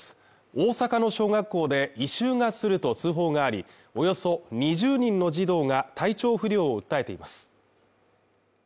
大阪の小学校で異臭がすると通報があり、およそ２０人の児童が体調不良を訴えています。